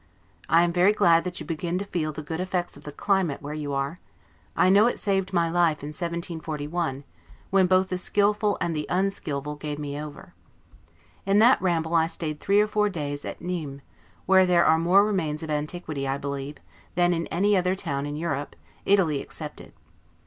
I am very glad that you begin to feel the good effects of the climate where you are; I know it saved my life, in 1741, when both the skillful and the unskillful gave me over. In that ramble I stayed three or four days at Nimes, where there are more remains of antiquity, I believe, than in any town in Europe, Italy excepted.